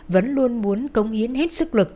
vẫn luôn muốn công hiến hết sức lực